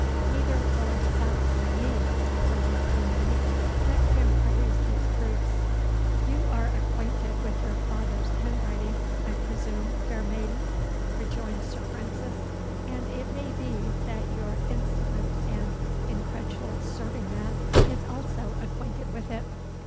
"Neither will it satisfy me," remarked Anthony. "Let him produce his proofs." "You are acquainted with your father's handwriting, I presume, fair maiden?" rejoined Sir Francis. "And it may be that your insolent and incredulous serving man is also acquainted with it.